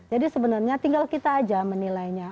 jadi sebenarnya tinggal kita aja menilainya